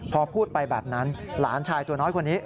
พอพูดไปแบบนั้นหลานชายตัวน้อยคนนี้